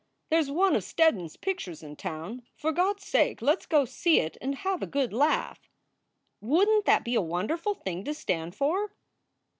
There s one of Steddon s pictures in town. For God s sake let s go see it and have a good laugh! Wouldn t that be a wonderful thing to stand for?"